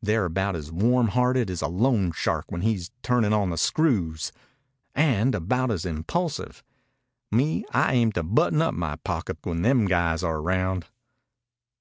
They're about as warm hearted as a loan shark when he's turnin' on the screws and about as impulsive. Me, I aim to button up my pocket when them guys are around."